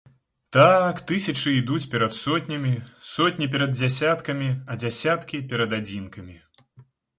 Так, тысячы ідуць перад сотнямі, сотні перад дзясяткамі, а дзясяткі перад адзінкамі.